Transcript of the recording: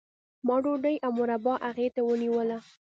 ما ډوډۍ او مربا هغې ته ونیوله